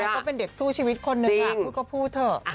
น้องสมัยก็เป็นเด็กสู้ชีวิตคนนึงพูดก็พูดเถอะ